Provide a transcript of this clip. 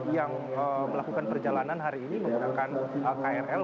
yang melakukan perjalanan hari ini menggunakan krl